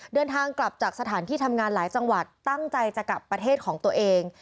เดินทางกลับจากสถานที่ทำงานหลายจังหวัดตั้งใจจะกลับประเทศของตัวเอง